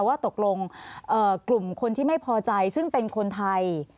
ว่าตกลงกลุ่มคนที่ไม่พอใจซึ่งเป็นคนไทย